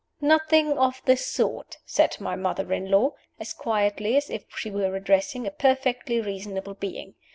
"Nothing of the sort," said my mother in law, as quietly as if she were addressing a perfectly reasonable being.